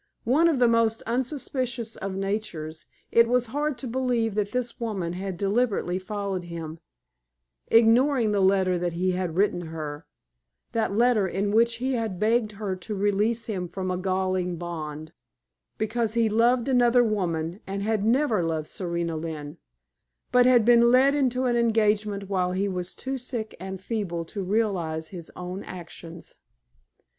One of the most unsuspicious of natures, it was hard to believe that this woman had deliberately followed him, ignoring the letter that he had written her that letter in which he had begged her to release him from a galling bond because he loved another woman, and had never loved Serena Lynne, but had been led into an engagement while he was too sick and feeble to realize his own actions.